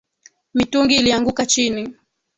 Mitungi ilianguka chini